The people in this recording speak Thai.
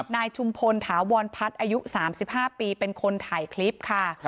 นายชุมพลถาวรพัฒน์อายุ๓๕ปีเป็นคนถ่ายคลิปค่ะ